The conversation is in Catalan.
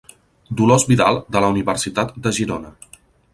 Dolors Vidal de la Universitat de Girona.